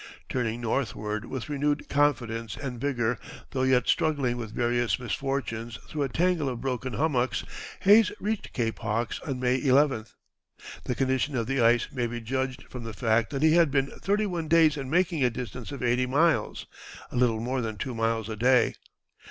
Turning northward with renewed confidence and vigor, though yet struggling with various misfortunes through a tangle of broken hummocks, Hayes reached Cape Hawks on May 11th. The condition of the ice may be judged from the fact that he had been thirty one days in making a distance of eighty miles, a little more than two miles a day.